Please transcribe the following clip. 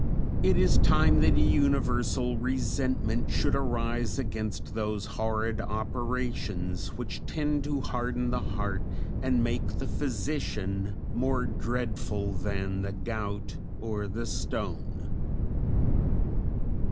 It is time that a universal resentment should arise against those horrid operations, which tend to harden the heart and make the physician more dreadful than the gout or the stone.